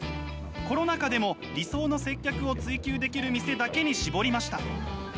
コロナ禍でも理想の接客を追求できる店だけに絞りました。